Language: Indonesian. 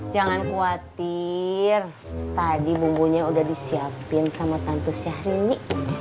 jangan khawatir tadi bumbunya udah disiapin sama tante syahrini